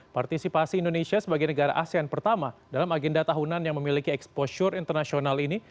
partisipasi indonesia sebagai negara asean pertama dalam agenda tahunan yang memiliki exposure internasional ini